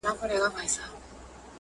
دوه اړخيزي اړيکي لري